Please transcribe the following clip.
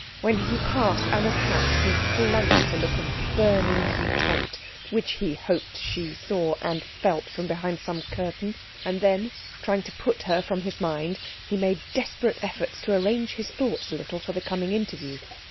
When he passed Anna's house he flung it a look of burning contempt, which he hoped she saw and felt from behind some curtain; and then, trying to put her from his mind, he made desperate efforts to arrange his thoughts a little for the coming interview.